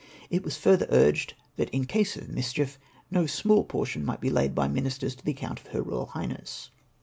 It was further urged, that in case of mischief, no small portion might be laid by ministers to the account of Her Eoyal Highness.